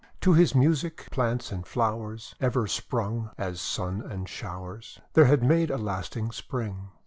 To his music, plants and flowers Ever sprung, as Sun and showers There had made a lasting Spring.